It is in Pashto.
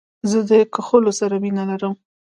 زه د کښلو سره مینه لرم.